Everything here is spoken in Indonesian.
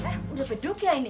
eh udah beduk ya ini